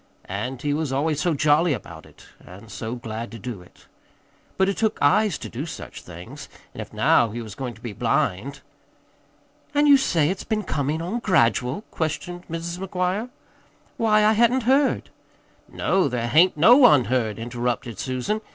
And he was always so jolly about it, and so glad to do it. But it took eyes to do such things, and if now he was going to be blind "An' you say it's been comin' on gradual?" questioned Mrs. McGuire. "Why, I hadn't heard " "No, there hain't no one heard," interrupted Susan.